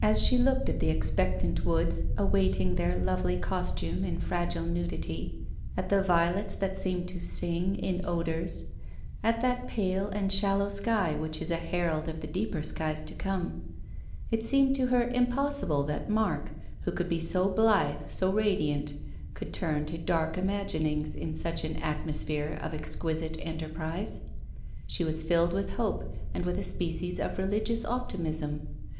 As she looked at the expectant woods awaiting their lovely costume in fragile nudity, at the violets that seemed to sing in odours, at that pale and shallow sky which is a herald of the deeper skies to come, it seemed to her impossible that Mark, who could be so blithe, so radiant, could turn to dark imaginings in such an atmos phere of exquisite enterprise. Slie was filled with hope and with a species of religious optimism.